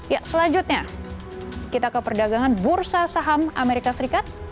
ya selanjutnya kita ke perdagangan bursa saham amerika serikat